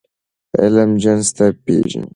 علم جنس نه پېژني.